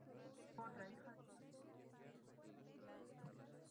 Tuvo otra hija de su matrimonio, llamada Eduviges Isabel von Biron.